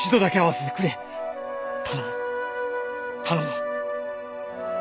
頼む頼む！